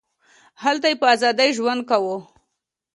هلته یې په ازادۍ ژوند کاوه.